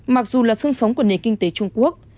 mặc dù là sương sống của nền kinh tế trung quốc